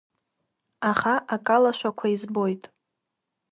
Аха акалашәақәа избоит.